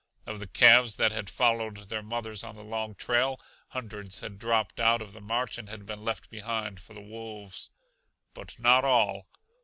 Of the calves that had followed their mothers on the long trail, hundreds had dropped out of the march and been left behind for the wolves. But not all.